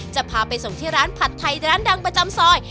จะพาไปส่งที่ร้านผัดไทยร้านดังประจำซอย